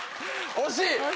惜しい。